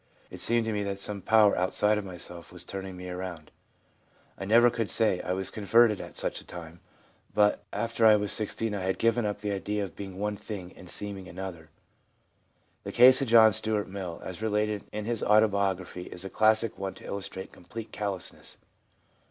It seemed to me that some power outside of myself was turning me around. I never could say, " I was converted at such a time," but ADOLESCENCE— SPONTANEOUS AWAKENINGS Hi after I was 16 I had given up the idea of being one thing and seeming another.' The case of John Stuart Mill, as related in his autobiography, is a classic one to illustrate complete callousness.